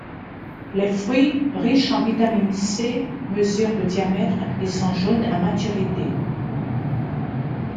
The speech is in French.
Les fruits, riches en vitamine C, mesurent de diamètre et sont jaunes à maturité.